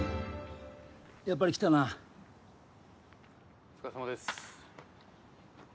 やっぱり来たなお疲れさまです